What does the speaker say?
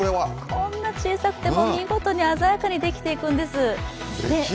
こんな小さくても見事に鮮やかにできていくんです。